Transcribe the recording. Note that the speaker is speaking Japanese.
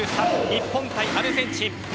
日本対アルゼンチン。